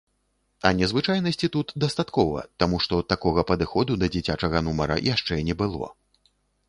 А незвычайнасці тут дастаткова, таму што такога падыходу да дзіцячага нумара яшчэ не было.